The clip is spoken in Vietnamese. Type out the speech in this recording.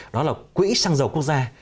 đó là quỹ xăng dầu quốc gia